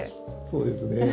そうですね。